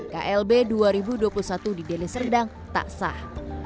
klb dua ribu dua puluh satu di deli serdang tak sah